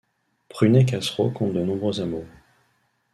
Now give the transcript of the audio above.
Prunay-Cassereau compte de nombreux hameaux.